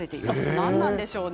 何なんでしょうね